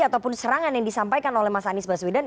ataupun serangan yang disampaikan oleh mas anies baswedan